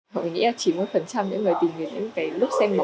bói bải tây là một trang điểm của người là chúng ta